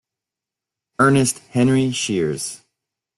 Ernest Henry Shears.